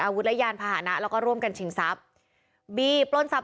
อาวุธและยานพาหนะแล้วก็ร่วมกันชิงทรัพย์บีปล้นทรัพย